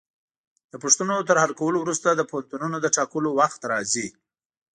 د پوښتنو تر حل کولو وروسته د پوهنتونونو د ټاکلو وخت راځي.